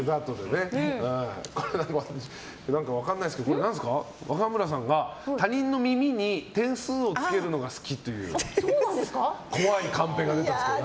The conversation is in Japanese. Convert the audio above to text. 何か分からないですけど若村さんが他人の耳に点数をつけるのが好きという怖いカンペが出てますけど。